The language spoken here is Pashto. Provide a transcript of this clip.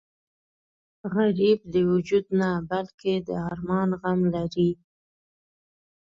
غریب د وجود نه بلکې د ارمان غم لري